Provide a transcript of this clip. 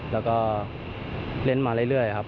แล้วก็เล่นมาเรื่อยครับ